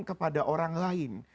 kepada orang lain